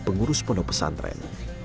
pengurus pondok pesantren